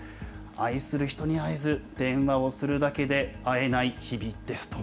愛する人に会えず、電話をするだけで会えない日々ですと。